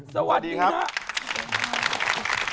สวัสดีครับ